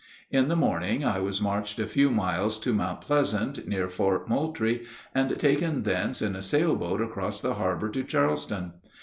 In the morning I was marched a few miles to Mount Pleasant, near Fort Moultrie, and taken thence in a sail boat across the harbor to Charleston.